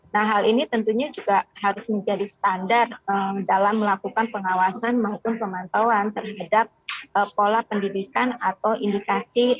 nah hal ini tentunya juga harus menjadi standar dalam melakukan pengawasan maupun pemantauan terhadap pola pendidikan atau indikasi